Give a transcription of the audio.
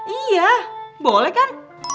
iya boleh kan